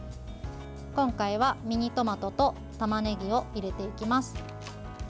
今回はミニトマトとたまねぎを入れていきます。